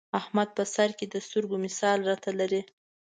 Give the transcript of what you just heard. احمد په سرکې د سترګو مثال را ته لري.